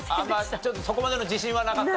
ちょっとそこまでの自信はなかった？